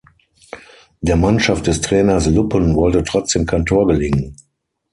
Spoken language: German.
Der Mannschaft des Trainers Luppen wollte trotzdem kein Tor gelingen.